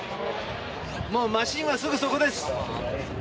マシンは、すぐそこです。